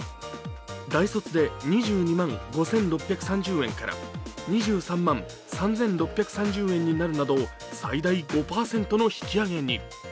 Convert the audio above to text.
大卒で２２万５６３０円から２３万３６３０円になるなど最大５％の引き上げに。